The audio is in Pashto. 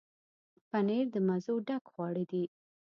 پنېر د مزو ډک خواړه دي.